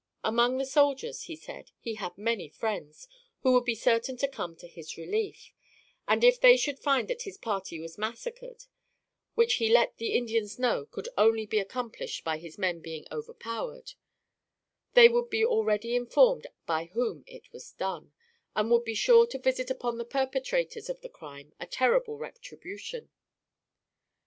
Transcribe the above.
Among the soldiers," he said, "he had many friends, who would be certain to come to his relief, and, if they should find that his party was massacred, which he let the Indians know could only be accomplished by his men being overpowered, they would be already informed by whom it was done, and would be sure to visit upon the perpetrators of the crime, a terrible retribution."